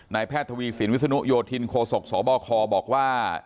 แพทย์ทวีสินวิศนุโยธินโคศกสบคบอกว่า